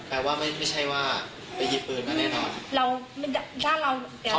แปลว่าไม่ใช่ว่าไปยีปืนกันแน่นอน